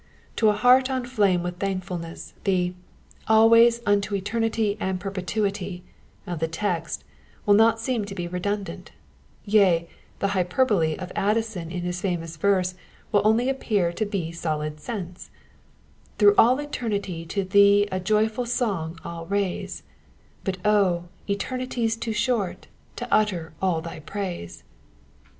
To a heart on flame with thankfulness, the always, unto eternity and perpetuity," of the text will not seem to be redundant ; yea, the hyper bole of Addison in his famous verse will only appear to be solid sense :—Through all eternity to tbee A joyf al 60D^ V\\ raise ; Bat oh ! eternity's too short To utter all thy praise."